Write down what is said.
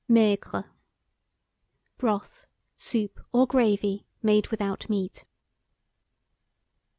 MAIGRE. Broth, soup, or gravy, made without meat.